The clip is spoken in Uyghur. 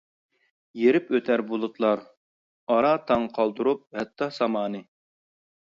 يېرىپ ئۆتەر بۇلۇتلار ئارا تاڭ قالدۇرۇپ ھەتتا سامانى.